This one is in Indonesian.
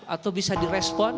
atau bisa di respon